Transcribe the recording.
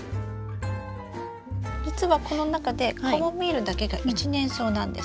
実はこの中でカモミールだけが一年草なんです。